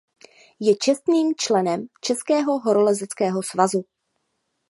Je čestným členem Českého horolezeckého svazu.